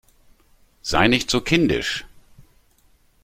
Sei nicht so kindisch!